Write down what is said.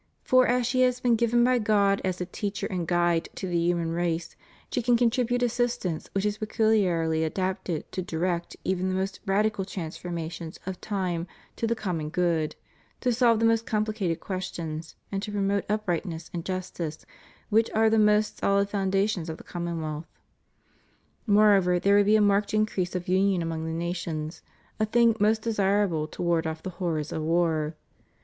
For as she has been given by God as a teacher and guide to the human race, she can contribute assistance which is pecuharly adapted to direct even the most radical transformations of time to the com mon good, to solve the most compHcated questions, and to promote uprightness and justice, which are the most sohd foundations of the conmionwealth. Moreover there would be a marked increase of imion among the nations, a thing most desirable to ward off the horrors of war.